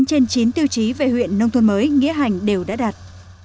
chín trên chín tiêu chí về huyện nông thôn mới nghĩa hành đều đã đạt